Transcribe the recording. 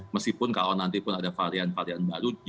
meskipun kalau nanti pun ada varian varian baru